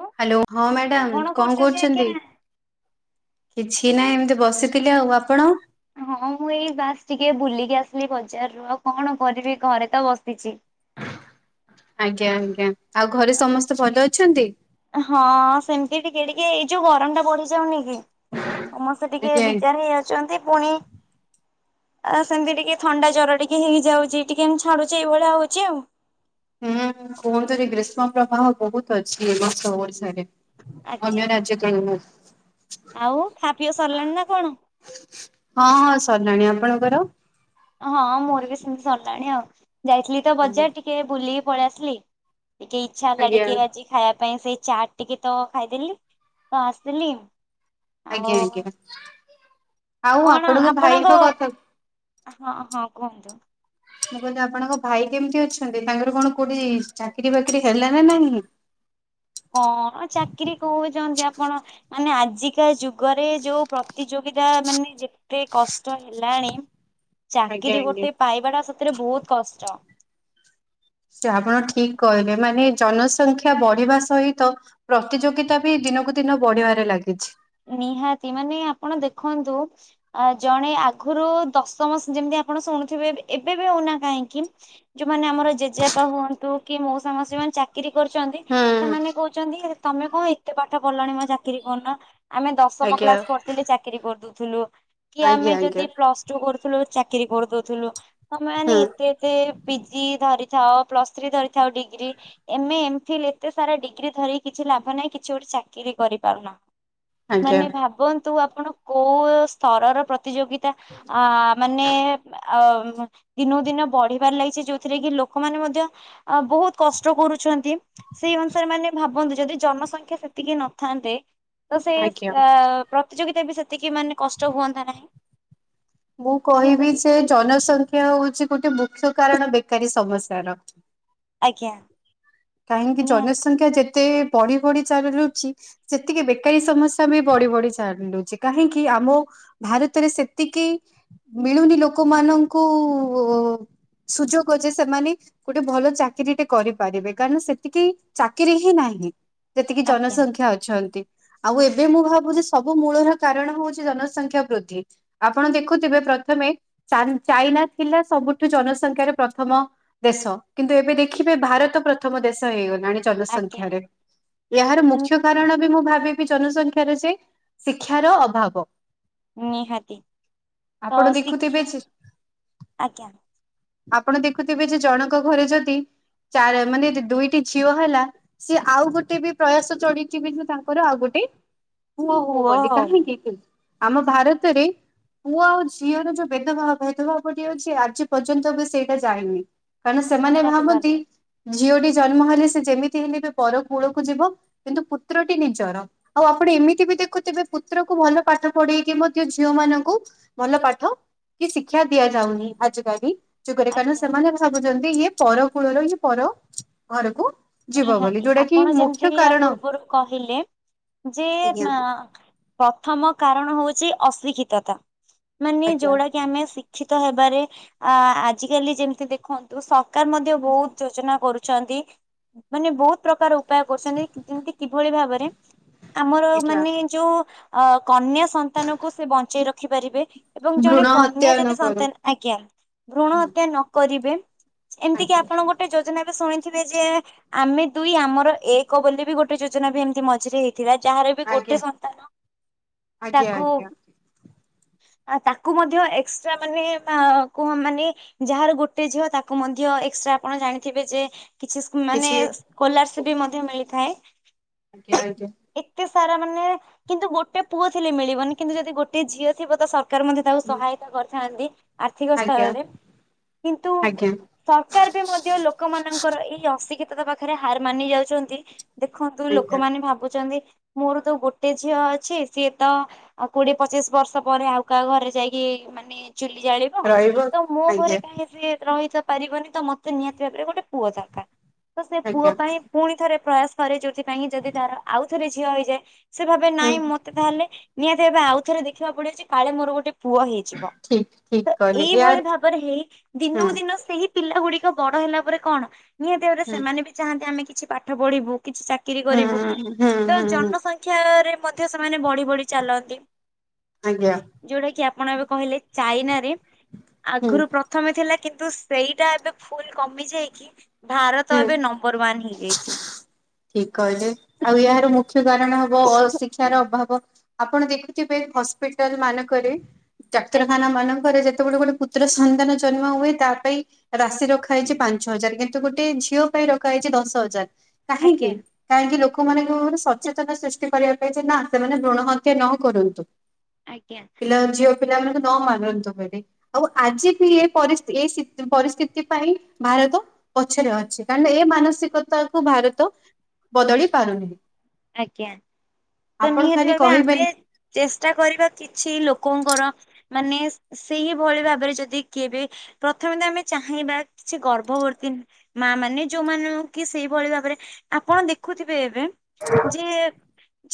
ଲୋ hello, ହଁ madam କଣ କରୁଛନ୍ତି? କିଛି ନାହିଁ ଏମିତି ବସିଥିଲି ଆଉ ଆପଣ ହଁ ମୁଁ ଏଇ ବାସ ଟିକେ ବୁଲିକି ଆସିଲି ବଜାରରୁୁ ଆଉ କଣ କରିବି ଘରେ ତ ବସିଛି ଆଜ୍ଞା ଆଜ୍ଞା ଆଉ ଘରେ ସମସ୍ତେ ଭଲ ଅଛନ୍ତି? ହଁ ସେମିତି ଟିକେ ଟିକେ ଏଇ ଯୋଉ ଗରମ ଟା ବଢି ଯାଉନି କି ସମସ୍ତେ ଟିକେ ଆଜ୍ଞା ଆଜ୍ଞା। ବିଜାର ହେଇଯାଉଛନ୍ତି ପୁଣି ଆଉ ସେମିତି ଟିକେ ଥଣ୍ଡା ଜ୍ୱର ଟିକେ ହେଇଯାଉଛି ଟିକେ ଏମି ଛାଡୁଛେ ଏଇଭଳିଆ ହଉଛି ଆଉ ହୁଁ କୁହନ୍ତୁନି ଗ୍ରୀଷ୍ମ ପ୍ରବାହ ବହୁତ ଅଛି ଏ ବର୍ଷ ଓଡିଶାରେ ଆଜ୍ଞା ଅନ୍ୟ ରାଜ୍ୟ ତୁଳନା ରେ ଆଉ ଖା ପିଅ ସରିଲାଣି ନା କଣ ହଁ ହଁ ସଲାଲାଣି ଆପଣଙ୍କର ହଁ ମୋର ବି ସେମିତି ସରିଲାଣି ଆଉ ଯାଇଥିଲି ତ ବଜାର ଟିକେ ଟିକେ ବୁଲିକି ପଳେଇ ଆସିଲି ଟିକେ ଇଚ୍ଛା ହେଲା ଆଜ୍ଞା। ଟିକେ ଆଜି ଖାଇବା ପାଇଁ ସେଇ ଚାଟ ଟିକେ ତ ଖାଇଦେଲି ତ ଆସଥିଲି ଆଜ୍ଞା ଆଜ୍ଞା ଆଉ କଣ ଭାଇଙ୍କ ଆପଣଙ୍କ କଥା ହଁ ହଁ କୁହନ୍ତୁ ମୁଁ କହିଲି ଆପଣଙ୍କ ଭାଇ କେମିତି ଅଛନ୍ତି, ତାଙ୍କର କଣ କୋଉଠି ଚାକିରି ବାକିରି ହେଲା ନା ନାହିଁ? କଣ ଚାକିରି କହୁଛନ୍ତି ଆପଣ ମାନେ ଆଜିକା ଯୁଗରେ ଯୋଉ ପ୍ରତିଯୋଗିତା ମାନେ ଯେ, ଏତେ କଷ୍ଟ ହେଲାଣି ଆଜ୍ଞା ଚାକିରି ଆଜ୍ଞା। ଗୋଟେ ପାଇବାଟା ସତରେ ବହୁତ କଷ୍ଟ ସେ ଆପଣ ଠିକ କହିଲେ ମାନେ ଜନସଂଖ୍ୟା ବଢିବା ସହିତ ପ୍ରତିଯୋଗିତା ବି ଦିନକୁ ଦିନ ବଢିବାରେ ଲାଗିଛି। ନିହାତି ମାନେ ଆପଣ ଦେଖନ୍ତୁ ଆ ଜଣେ ଆଗରୁ ଦଶମ ଯେମିତି ଆପଣ ଶୁଣୁଥିବେ ଏବେ ବି ହଉନା କାହିଁକି ଯୋଉମାନେ ଆମର ଜେଜେବାପା ହୁଅନ୍ତୁ କି ମଉସା ମାଉସୀ ମାନେ ଚା ଚାକିରି କରୁଛନ୍ତି ହୁଁ ସେମାନେ କହୁଛନ୍ତି ତମେ କଣ ଏତେ ପାଠ ପଢିଲଣି ମୋ ଚାକିରି କରିନ। ଆମେ ଦଶମ ଆଜ୍ଞା। କ୍ଲାସ ପଢିଥିଲେ ଚାକିରୀ କରିଦଉଥିଲୁ, କି ଆମେ ଆଜ୍ଞା ଯଦି ଆଜ୍ଞା ପ୍ଲସ ପ୍ଲସ୍ ଟୁ କରୁଥିଲୁ ଚାକିରି କରିଦଉଥିଲୁ ତମେ ଅନାନି ହୁଁ ସେ ଏତେ ପିଜି ଧରିଥାଉ ପ୍ଲସ୍ ଥ୍ରୀ ଧରିଥାଉ degree M A M Phil ଏତେ ସାରା ଡିଗ୍ରୀ ଧରିକି କିଛି ଲାଭ ନାହିଁ, କିଛି ଗୋଟେ ଚାକିରି କରିପାରୁନ। ଆଜ୍ଞା। ମାନେ ଭାବନ୍ତୁ ଆପଣ କୋଉ ସ୍ତରର ପ୍ର ପ୍ରତିଯୋଗିତା ଆ ମାନେ ଅ ଦିନକୁ ଦିନ ବଢିବାର ଲାଗିଛି ଯୋଉଥିରେ କି ଲୋକମାନେ ମଧ୍ୟ ଅ ବହୁତ କଷ୍ଟ କରୁଛନ୍ତି। ସେଇ ଅନୁସାରେ ମାନେ ଭାବନ୍ତୁ ଯଦି ଜନସଂଖ୍ୟା ସେତିକି ନଥାନ୍ତେ, ତ ସେ ଆଜ୍ଞା। କା ପ୍ରତିଯୋଗିତା ବି ସେତିକି ମାନେ କଷ୍ଟ ହୁଅନ୍ତା ନାହିଁ। ମୁଁ ଯେହେତୁ କହିବି ଯେ, ଜନସଂଖ୍ୟା ହଉଛି ଗୋଟେ ମୁଖ୍ୟ କାରଣ ବେକାରୀ ସମସ୍ୟାର। ଆଜ୍ଞା କାହିଁକି ନିହା ଜନସଂଖ୍ୟା ଯେତେ ବଢି ବଢି ଚାଲୁରଛି ସେତିକି ବେକାରୀ ସମସ୍ୟା ବି ବଢି ବଢି ଚାଲୁଛି, କାହିଁକି ଆମ ଭାରତରେ ସେତିକି ମିଳୁନି ଲୋକମାନଙ୍କୁ ସୁଯୋଗ ଯେ ସେମାନେ ଗୋଟେ ଭଲ ଚାକିରି ଟେ କରିପାରିବେ। କାରଣ ସେତିକି ଚାକିରି ହିଁ ନାହିଁ ଯେତିକି ଆଜ୍ଞା ଜନସଂଖ୍ୟା ଅଛନ୍ତି। ଆଉ ଏବେ ମୁଁ ଭାବୁଛି ସବୁ ମୂଳର କାରଣ ହଉଛି ଜନସଂଖ୍ୟା ବୃଦ୍ଧି। ଆପଣ ଦେଖୁଥିବେ ପ୍ରଥମେ ଚା ଚାଇନା ଥିଲା ସବୁଠୁ ଜନସଂଖ୍ୟାରେ ପ୍ରଥମ। ଦେଶ କିନ୍ତୁ ଏବେ ଦେଖିବେ ଭାରତ ପ୍ର ପ୍ରଥମ ଦେଶ ହେଇଗଲାଣି ଆଜ୍ଞା ଜନସଂଖ୍ୟାରେ ଏହାର ମୁଖ୍ୟ କାରଣ ବି ମୁଁ ଭାବି ଜନସଂଖ୍ୟାର ଯେ, ଶିକ୍ଷାର ଅଭାବ ନିହାତି ତ ଆପଣ ଶିକ୍ଷା ଦେଖୁଥିବେ -ଆଜ୍ଞା। ଆପଣ ଦେଖୁଥିବେ ଯେ ଜଣଙ୍କ ଘରେ ଯଦି ଚା- ମାନେ ଦୁଇଟି ଝିଅ ହେଲା ସିଏ ଆଉ ଗୋଟେ ବି ପ୍ରୟାସ ଚଡିଥିବେ ଯେ ତାଙ୍କର ଆଉ ଗୋଟେ ପୁଅ ହଉ ବୋଲି କାହିଁକି ଆମ ଭାରତରେ ପୁଅ ଆଉ ଝିଅର ଯଉ ଭେଦଭାବ ଭେଦଭାବ ଟି ଅଛି ଆଜି ପର୍ଯ୍ୟନ୍ତ ବି ସେଇଟା ଯାଇନି। କାରଣ ସେମାନେ ନିହାତି ଭାବନ୍ତି ଭାବେ ଝିଅଟି ଜନ୍ମ ହେଲେ ସେ ଯେମିତି ହେଲେ ବି ପର କୂଳକୁ ଯିବ କିନ୍ତୁ ପୁତ୍ରଟି ନିଜର। ଆଉ ଆପଣ ଏମିତି ବି ଦେଖୁଥିବେ ପୁତ୍ରକୁ ଭଲ ପାଠ ପଢେଇକି ମଧ୍ୟ ଝିଅ ମାନଙ୍କୁ ଭଲ ପାଠ କି ଶିକ୍ଷା ଦିଆଯାଉନି ଆଜିକାଲି ଯୁଗରେ କାରଣ ଆଜ୍ଞା। ସେମାନେ ଭାବୁଚନ୍ତି ଇଏ ପର କୂଳର ଇଏ ପର ଘରକୁ ଯିବ ବୋଲି ନିହାତି ଯୋଉଟା କି ଆପଣ ମୁଖ୍ୟ ଯେମିତି ୟା କାରଣ ପୂର୍ବରୁ କହିଲେ ଯେ ଆଜ୍ଞା ଆ ପ୍ରଥମ କାରଣ ହୋଉଚି ଅଶିକ୍ଷିତତା ମାନେ ଆଜ୍ଞା ଯୋଉଟା କି ଆମେ ଶି କ୍ଷିତ ହେବାରେ ଆ- ଆଜିକାଲି ଯେମିତି ଦେଖନ୍ତୁ ସରକାର୍ ମଧ୍ୟ ବହୁତ ଯୋଜନା କରୁ ଚନ୍ତି ମାନେ ବହୁତ୍ ପ୍ରକାର ଉପାୟ କରୁଚନ୍ତି ଯେମିତି କିଭଳି ଭାବରେ ଆମର ଆଜ୍ଞା। ମାନେ ଯୋଉ ଅ -କନ୍ୟା ସନ୍ତାନ କୁ ସେ ବଞ୍ଚେଇ ରଖି ପାରିବେ ଏବଂ ଜଣେ ଭ୍ରୁଣ କନ୍ୟା ହତ୍ୟା ନ ଯଦି କରୁ ସନ୍ତାନ ଆଜ୍ଞା ଭ୍ରୁଣ ହତ୍ୟା ନ କରିବେ ଏମିତି କିି ଆଜ୍ଞା ଆପଣ ଗୋଟେ ଯୋଜନା ରୁ ଶୁଣିଥିବେ ଯେ ଆମେ ଦୁଇ ଆମର ଏକ ବୋଲି ବି ଗୋଟେ ଯୋଜନା ବି ଏମିତି ମଝିରେ ହେଇ ଥିଲା ଯାହାର ବି ଆଜ୍ଞା ଗୋଟେ ସନ୍ତାନ ଆଜ୍ଞା ତାକୁ ଆଜ୍ଞା ଆ- ତାକୁ ମଧ୍ୟ ଏକ୍ସଟ୍ରା ମାନେ ମା- କୁହ ମାନେ ଯାହାର ଗୋଟେ ଝିଅ ତାକୁ ମଧ୍ୟ ଏକ୍ସଟ୍ରା ଆପଣ ଜାଣିଥିବେ ଯେ କିଛି ମାନେ ସ୍କଲାରସିପ୍ ବି ମଧ୍ୟ ମିଳିଥାଏ। ଆଜ୍ଞା ଆଜ୍ଞା। ଏତେ ସାରା ମାନେ କିନ୍ତୁ ଗୋଟେ ପୁଅ ଥିଲେ ମିଳିବନି କିନ୍ତୁ ଯଦି ଗୋଟେ ଝିଅ ଥିବ ତ ସରକାର୍ ମଧ୍ୟ ତାକୁ ସହାୟତା କରିଥାନ୍ତି ଆର୍ଥିକ ଆଜ୍ଞା ଆଜ୍ଞା ସ୍ତରରେ କିନ୍ତୁ ଆଜ୍ଞା ସରକାର୍ ବି ମଧ୍ୟ ଲୋକ ମାନଙ୍କର ଏଇ ଅଶିକ୍ଷିତତା ପାଖରେ ହାର ମାନି ଯାଉଚନ୍ତି ଦେଖନ୍ତୁ ଆଜ୍ଞା ଲୋକମାନେ ଭାବୁଚନ୍ତି ମୋର ତ ଗୋଟେ ଝିଅ ଅଛି ସିଏ ତ କୋଡିଏ ପଚିଶ୍ ବର୍ଷ ପରେ ଆଉ କାହା ଘରେ ଯାଇକି ମାନେ ଚୁଲି ଜାଳିବ ରହିବ ତ ମୋ ଘରେ ଆଜ୍ଞା କାହିଁ ସିଏ ଏଠେ ରହି ତ ପାରିବନି ତ ମତେ ନିହାତି ଭାବରେ ଗୋଟେ ପୁଅ ଦରକାର ତ ସେ ପୁଅ ଆଜ୍ଞା ପାଇଁ ଫୁଣି ଥରେ ପ୍ରୟାସ କରେ ଯୋଉଥି ପାଇଁ ଯଦି ତାର ଆଉ ଥରେ ଝିଅ ହେଇଯାଏ ସେ ଭାବେ ହୁଁ ନାଇଁ ମତେ ତାହେଲେ ନିହାତି ଏବେ ଆଉଥରେ ଦେଖିବାକୁ ପଡବ ଯେ କାଳେ ମୋର ଗୋଟେ ପୁଅ ହେଇଯିବ ଠିକ ଠିକ ତ କହିଲେ ୟାର ଏଇଭଳି ଭାବରେ ହେଇ ହୁଁ ଦିନକୁ ଦିନ ସେହି ପିଲା ଗୁଡିକ ବଡ ହେଲା ପରେ କଣ ନିହାତି ଭାବରେ ହୁଁ ସେମାନେ ବି ଚାହାନ୍ତି ଆମେ କିଛି ପାଠ ପଢିବୁ କିଛି ଚାକ୍ ଚାକିରୀ ହୁଁ କରିବୁ ହୁଁ ତ ହୁଁ ହୁଁ ଜନସଂଖ୍ୟାରେ ମଧ୍ୟ ସେମାନେ ବଢି ବଢି ଚାଲନ୍ତି। ଆଜ୍ଞା ଯୋଉଟା କିି ଆପଣ ଏବେ କହିଲେ ଚାଇନାରେ ହୁଁ ଆଗୁରୁ ପ୍ର ପ୍ରଥମେ ଥିଲା କିନ୍ତୁ ସେଇଟା ଏବେ ଫୁଲ୍ କମି ଯାଇକି ଭାରତ ହୁଁ ଏବେ ନମ୍ବର ୱାନ୍ ହେଇଯାଇଚି। ଠିକ୍ କହିଲେ ଆଉ ଏହାର ମୁଖ୍ୟ କାରଣ ହବ ଅଶିକ୍ଷାର ଅଭାବ। ଆପଣ ଦେଖୁଥିବେ ହସ୍ପିଟାଲ୍ ମାନଙ୍କରେ ଆଜ୍ଞା ଡାକ୍ତରଖାନା ମାନଙ୍କରେ ଯେ ତେବଳେ ଗୋଟେ ପୁତ୍ର ସନ୍ତାନ ଜନ୍ମ ହୁଏ ତା ପାଇଁ ରାଶି ରଖାଯାଇଚି ପାଞ୍ଚ ହଜାର୍ କିନ୍ତୁ କିନ୍ତୁ ଗୋଟେ ଝିଅ ପାଇଁ ରଖା ହେଇଚି ଦଶ ହଜାର୍ କାହିଁକି ଆଜ୍ଞା କାହିଁକି ଲୋକମାନଙ୍କୁ ଗୋଟେ ସଚେତନ ସୃଷ୍ଟି କରିବା ପାଇଁ ଯେ ନା ସେମାନେ ଭ୍ରୂଣ ହତ୍ୟା ନ କରନ୍ତୁ। ଆଜ୍ଞା। କାହିଁ ଝିଅ ପିଲାମାନଙ୍କୁ ନ ମାରନ୍ତୁ ବୋଲି। ଆଉ ଆଜି ବି ଏ -ପରିସ୍-ଏ ପରିସ୍ଥିତି ପାଇଁ ଭାରତ ପଛରେ ଅଛି କାରଣ ଏ ମାନସିକତା କୁ ଭାରତ ବଦଳି ପାରୁନି। ଆଜ୍ଞା। ତ ଆପଣ ନିହାତି ଖାଲି ଭାବେ ଆମେ କହିବେନି ଚେଷ୍ଟା କରିବା କିଛି ଲୋକଙ୍କର ମାନେ ସେଇଭଳି ଭାବରେ ଯଦି କେବେ ପ୍ରଥମେ ତ ଆମେ ଚାହିଁବା କିଛି ଗର୍ଭବର୍ତୀ ମା ମାନେ ଯୋଉମାନଙ୍କୁ କି ସେଇଭଳି ଭାବରେ ଆପଣ ଦେଖୁଥିବେ ଏବେ ଯେ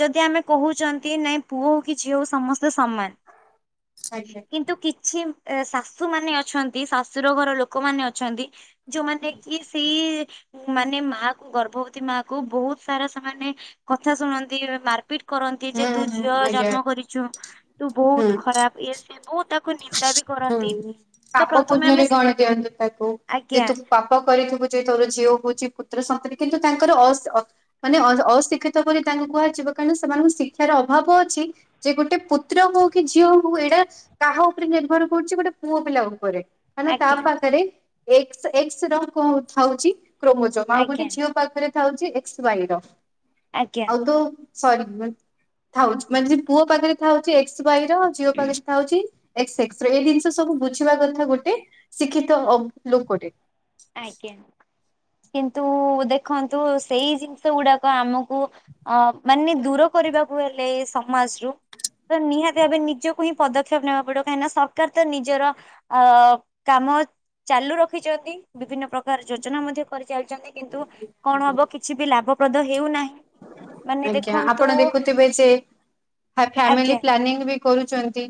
ଯଦି ଆମେ କହୁଛନ୍ତି ନାଇଁ ପୁଅ ହୋଉ କି ଝିଅ ହୋଉ ସମସ୍ତେ ସମାନ। ଆଜ୍ଞା କିନ୍ତୁ କିଛି ଏ ଶାଶୁ ମାନେ ଅଛନ୍ତି ଶାଶୁର ଘର ଲୋକମାନେ ଅଛନ୍ତି ଯୋଉମାନେ କି ସିଇ ମାନେ ମାକୁ ଗର୍ଭବତୀ ମାକୁ ବହୁତ୍ ସାରା ସେମାନେ କଥା ଶୁଣାନ୍ତି ମାରିପିଟ୍ କରନ୍ତି ହୁଁ ଯେତୁ ଝିଅ ହୁଁ ଆଜ୍ଞା ଜନ୍ମ କରିଚୁ ହୁଁ ତୁବହୁତ୍ ଖରାପ୍ ଇଏ ସିଏ ବହୁତ୍ ତା ହୁଁ ପାପ ପ୍ରଥମେ ପୁଣ୍ୟରେ ଆମେ ଗଣି ଦିଅନ୍ତୁ ତାକୁ ଆଜ୍ଞା ଯେତୁ ପାପ୍ କରିଥିବୁ ଯେତୋର ଝିଅ ହଉଚି ପୁତ୍ର ସନ୍ତନୀ କିନ୍ତୁ ତାଙ୍କର ଅସ୍ ଅ ମାନେ ଅ ଅଶିକ୍ଷିତ ବୋଲି ତାଙ୍କୁ କୁହାଯିବ କାହିଁକିନା ସେମାନଙ୍କୁ ଶିକ୍ଷାର ଅଭାବ ଅଛି ଯେ ଗୋଟେ ପୁତ୍ର ହଉକି ଝିଅ ହଉ ଏଡ଼ା କାହା ଉପରେ ନିର୍ଭର କରୁଚି ଗୋଟେ ପୁଅ ପିଲା ଉପରେ ମାନେ ଆଜ୍ଞା ତାପାଖରେ ଏକ୍ସ୍ ଏକ୍ସ୍ର କଥାଉଚି କ୍ରୋମୋଜମ୍ ଆଉ ଗୋଟେ ଆଜ୍ଞା ଝିଅ ପାଖରେ ଥାଉଚି ଏକ୍ସ ୱାଇର ଆଜ୍ଞା ଆଉ ତୋ ସରି ଥାଉଚି ମାନେ ଯଦି ପୁଅ ପାଖରେ ଥାଉଚି ଏକ୍ସ ୱାଇର ଝିଅ ପାଖରେ ଥାଉଚି ଏକ୍ସ୍ ଏକ୍ସ୍ର ଏଇ ଜିନିଷ ସବୁ ବୁଝିବା କଥା ଗୋଟେ ଶିକ୍ଷିତ ଅ ଲୋକଟେ। ଆଜ୍ଞା କିନ୍ତୁ ଦେଖନ୍ତୁ ସେଇ ଜିନିଷ ଗୁଡ଼ାକ ଆମକୁ ଅଁ ମାନେ ଦୂର କରିବାକୁ ହେଲେ ଏସମାଜରୁ ତ ନିହାତି ଭାବେ ନିଜକୁହିଁ ପଦକ୍ଷେପ ନେବା ପଡ଼ିବ କାହିଁକିନା ସରକାରତ ନିଜର ଅଁ କାମ ଚାଲୁ ରଖିଚନ୍ତି। ବିଭିନ୍ନ ପ୍ରକାର ଯୋଜନା ମଧ୍ୟ କରିଚାଲିଚନ୍ତି କିନ୍ତୁ କଣ ହବ କିଛିବି ଲାଭପ୍ରଦ ହେଉନାହିଁ। ମାନେ ଆଜ୍ଞା ଦେଖନ୍ତୁ ଆପଣ ଦେଖୁଥିବେଯେ କାଫ୍ୟାମିଲ ଆଜ୍ଞା ପ୍ଲାନିଂ ବି କରୁଚନ୍ତି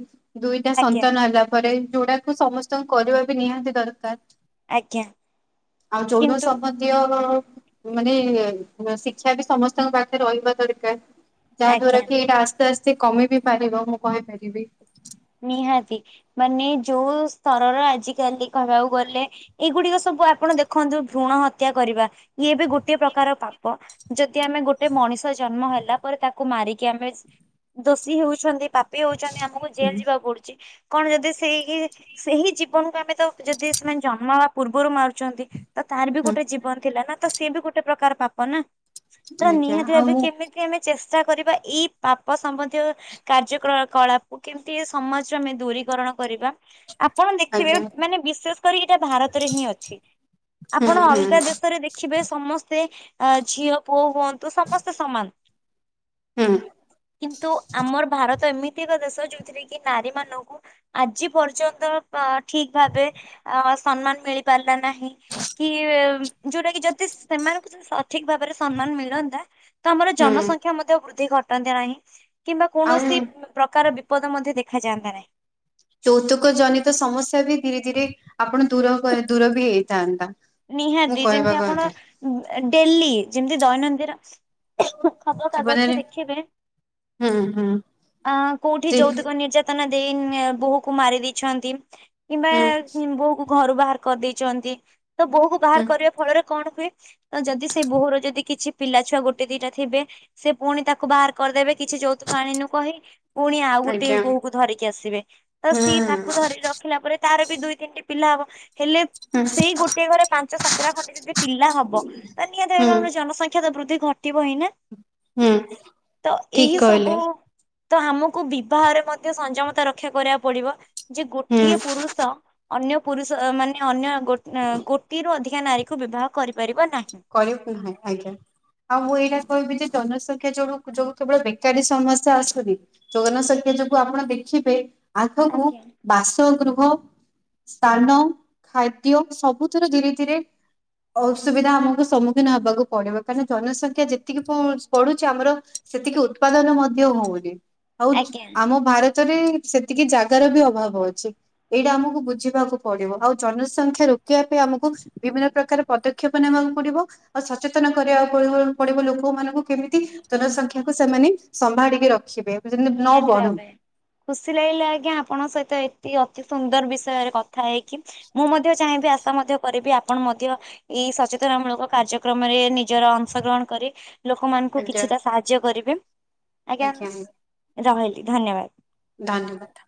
ଦୁଇଟା ଆଜ୍ଞା ସନ୍ତାନ [unintelligible] ପରେ ଯୋଟାକୁ ସମସ୍ତଙ୍କୁ କରିବାବି ନିହାତି ଦରକାର୍ ଆଜ୍ଞା ଆଉ [unintelligible] କିନ୍ତୁ ସମ୍ବନ୍ଧ ତିୟ ମାନେ ଶିକ୍ଷାବି ସମସ୍ତଙ୍କ ପାଖରେ ରହିବା ଦରକାର୍ ଯାହା ଆଜ୍ଞା ଦ୍ଵାରାକି ଏଇଟା ଆସ୍ତେ ଆସ୍ତେ କମିବି ପାରିବ ମୁଁ କହିପାରିବି। ନିହାତି ମାନେ ଯୋଉ ସ୍ତରର ଆଜିକାଲି କହିବାକୁ ଗଲେ ଏଇଗୁଡ଼ିକ ସବୁ ଆପଣ ଦେଖନ୍ତୁ ଭ୍ରୁଣ ହତ୍ୟା କରିବା ଇଏବି ଗୋଟିଏ ପ୍ରକାର ପାପ ଯଦି ଆମେ ଗୋଟେ ମଣିଷ ଜନ୍ମ ହେଲା ପରେ ତାକୁ ମାରିକି ଆମେ ଦୋଷୀ ହଉଛନ୍ତି ପାପୀ ହଉଚନ୍ତି ଆମକୁ ଜେଲ୍ ହୁଁ ଯିବାକୁ ପଡ଼ୁଚି କଣ ଯଦି ସେଇ ସେହି ଜୀବନକୁ ଆମେତ ଯଦି ସେମାନେ ଜନ୍ମ ହେବା ପୂର୍ବରୁ ମାରୁଚନ୍ତି ତ ତାରବି ଗୋଟେ ଜୀବନ୍ ଥିଲାନା ତ ସିଏବି ଗୋଟେ ପ୍ରକାର ପାପନା। ହେରା ଆଜ୍ଞା ନିହାତି ଆଉ ଭାବେ ମୁଁ କେମିତି ଆମେ ଚେଷ୍ଟା କରିବା ଏଇ ପାପ ସମ୍ବନ୍ଧୀୟ କାର୍ଯ୍ୟ କଳା କଳା କେମିତି ଏସମାଜରୁ ଆମେ ଦୂରୀକରଣ କରିବା। ଆପଣ ଦେଖିବେ ଆଜ୍ଞା ମାନେ ବିଶେଷ କରି ଏଇଟା ଭାରତରେହିଁ ଅଛି ହୁଁ ଆପଣ ହୁଁ ଅଲଗା ଦେଶରେ ଦେକ୍ ଖିବେ ସମସ୍ତେ ଅଁ ଝିଅ ପୁଅ ହୁଅନ୍ତୁ ସମସ୍ତେ ସମାନ। ହୁଁ। କିନ୍ତୁ ଆମର୍ ଭାରତ ଏମିତି ଏକ ଦେଶ ଯୋଉଥିରେକି ନାରୀ ମାନଙ୍କୁ ଆଜି ପର୍ଯ୍ୟନ୍ତ ପ ଠିକ୍ ଭାବେ ଅଁ ସମ୍ମାନ ମିଳି ପାରିଲା ନାହିଁ। କି ଯୋଉଟାକି ଯଦି ସେମାନଙ୍କୁ ସଠିକ୍ ଭାବରେ ସମ୍ମାନ ମିଳନ୍ତା ତ ଆମର ହୁଁ ଜନସଂଖ୍ୟା ମଧ୍ୟ ବୃଦ୍ଧି ଘଟନ୍ତି ନାହିଁ କିମ୍ବା ଆଉ କୌଣସି ପ୍ରକାର ବି ବିପଦ ମଧ୍ୟ ଦେଖାଯାଆନ୍ତା ନାହିଁ। ଯୌତୁକ ଜନିତ ସମସ୍ୟାବି ଧୀରେ ଧୀରେ ଆପଣ ଦୂର କ ଦୂରବି ହେଇଥାନ୍ତା। ମୁଁ ନିହାତି କହିବା ଯେମିତି ଆପଣ କଥା ଡେଲି ଯେମିତି ଦୈନନ୍ଦିନ ଖବର ଜୀବନରେ କାଗଜରେ ଦେଖିବେ ହୁଁ ହୁଁ ଆଁ କୋଉଠି ଜି ଯୌତୁକ ନିର୍ଯା ତାନା ଦେଇ ବୋହୁକୁ ମାରି ଦେଇଛନ୍ତି କିମ୍ବା ହୁଁ ବୋହୁକୁ ଘରୁ ବାହାର କରିଦେଇଚନ୍ତି ତବୋହୁକୁ ହୁଁ ବାହାର କରିବା ଫଳରେ କଣ ହୁଏ ତଯଦି ସେଇ ବୋହୁର ଯଦି କିଛି ପିଲା ଛୁଆ ଗୋଟେ ଦିଟା ଥିବେ ସେପୁଣି ତାକୁ ବାହାର କରିଦେବେ କିଛି ଯୋଉତୁକ ଆଣି ନୁ କହି। ପୁଣି ଆଉ ଗୋଟେ ଆଜ୍ଞା ବୋହୁ କୁ ଧରିକି ଆସିବେ ତ ହୁଁ ସିଏ ତାକୁ ଧରିଲ ରଖିଲା ପରେ ତାର ବି ଦୁଇ ତିନିଟି ପିଲା ହବ ହେଲେ ହୁଁ ସେଇ ଗୋ ଗୋଟିଏ ଘରେ ପାଞ୍ଚ ସାତଟା ଖଣ୍ଡେ ଯଦି ପିଲା ହବ ତ ନିହାତି ହୁଁ ଭାବେ ମାନେ ଜନସଂଖ୍ୟା ତ ବୃଦ୍ଧି ଘଟିବ ହିଁ ନାଁ। ହୁଁ ତ ଠିକ ଏହି ସବୁ କହିଲେ। ତ ଆମକୁ ବିବାହରେ ମଧ୍ୟ ସଂଯମତା ରକ୍ଷା କରିବାକୁ ପଡିବ ଯେ ହୁଁ ଗୋଟିଏ ପୁରୁଷ ଅନ୍ୟ ପୁରୁଷ ମାନେ ଅନ୍ୟ ଗୋଟିଏ ରୁୁ ଅଧିକା ନାରୀକୁ ବିବାହ କରିପାରିବ ନାହିଁ। କରିବ ନାହିଁ ଆଜ୍ଞା। ଆଉ ମୁଁ ଏଇଟା କହିବି ଯେ ଜନସଂଖ୍ୟା ଯୋଗୁ ଯୋଉ କେବଳ ବେକାରୀ ସମସ୍ୟା ଆସୁନି ଜନସଂଖ୍ୟା ଯୋଗୁ ଆପଣ ଦେଖିବେ ଆଖକୁ ଆଜ୍ଞା। ବାସଗୃହ ସ୍ଥାନ ଖାଦ୍ୟ ସବୁଥି ରେ ଧୀରେ ଧୀରେ ଅସୁବିଧା ଆମକୁ ସମ୍ମୁଖୀନ ହେବାକୁ ପଡିବ କାହିଁକି ନା ଜନସଂଖ୍ୟା ଯେତିକି ବଢୁଛି ଆମର ସେତିକି ଉତ୍ପାଦନ ମଧ୍ୟ ହୋଉନି। ଆଉ ଚୁ ଆଜ୍ଞା ଆମ ଭାରତ ଭାରତ ରେ ସେତିକି ଜାଗାର ବି ଅଭାବ ଅଛି। ଏଇଟା ଆମକୁ ବୁଝିବାକୁ ପଡିବ ଆଉ ଜନସଂଖ୍ୟା ରୋକିବା ପାଇଁ ଆମକୁ ବିଭିନ୍ନ ପ୍ରକାର ପଦ ପଦକ୍ଷେପ ନେବାକୁ ପଡିବ। ସଚେତନ କରିବାକୁ ପଡିବ ପଡିବ ଲୋକ ମାନଙ୍କୁ କେମିତି ଜନସଂଖ୍ୟାକୁ ସେମାନେ ସମ୍ଭାଳିକି ରଖିବେ। ଯେମିତି ନ ନିହାତି ବଢୁ। ଭାବେ। ଖୁସି ଲାଗିଲା ଆଜ୍ଞା ଆପଣଙ୍କ ସହିତ ଏତି ଅତି ସୁନ୍ଦର ବିଷୟରେ କଥା ହେଇକି। ମୁଁ ମଧ୍ୟ ଚାହିଁବି ଆଶା ମଧ୍ୟ କରିବି ଆପଣ ମଧ୍ୟ ଏଇ ସଚେତନ ମୂଳକ କାର୍ଯ୍ୟକ୍ରମରେ ନିଜର ଅଂଶ ଗ୍ରହଣ କରି ଲୋକମାନଙ୍କୁ ଆଜ୍ଞା କିଛିଟା ସାହାଯ୍ୟ କରିବେ। ଆଜ୍ଞା ରହିଲି ଧନ୍ୟବାଦ୍। ଧନ୍ୟବାଦ୍।